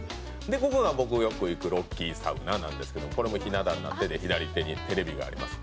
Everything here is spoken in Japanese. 「ここが僕よく行くロッキーサウナなんですけどもこれもひな壇になってて左手にテレビがあります」